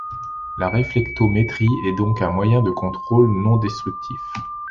La réflectométrie est donc un moyen de contrôle non destructif.